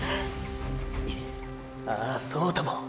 ああそうとも。